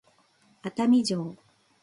熱海城